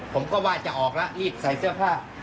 ผมก็ว่าจะออกแล้วรีบใส่เสื้อผ้า